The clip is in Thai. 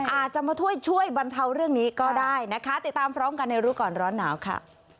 อาจจะมาช่วยช่วยบรรเทาเรื่องนี้ก็ได้นะคะติดตามพร้อมกันในรู้ก่อนร้อนหนาวค่ะ